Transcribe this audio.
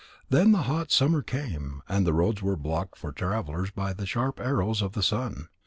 Then the hot summer came, and the roads were blocked for travellers by the sharp arrows of the sun.